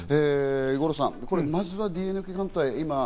五郎さん、まずはＤＮＡ鑑定。